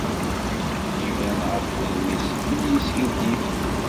Iban ɣef wudem-is belli yeskiddib.